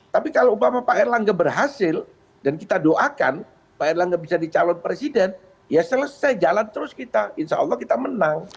tapi kalau umpama pak erlangga berhasil dan kita doakan pak erlangga bisa dicalon presiden ya selesai jalan terus kita insya allah kita menang